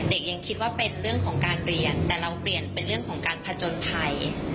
ยังคิดว่าเป็นเรื่องของการเรียนแต่เราเปลี่ยนเป็นเรื่องของการผจญภัย